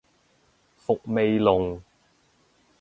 伏味濃